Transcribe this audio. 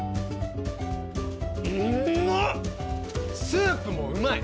スープもうまい。